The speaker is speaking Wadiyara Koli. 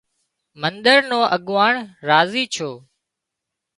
منۮر نو اڳواڻ راضي ڇو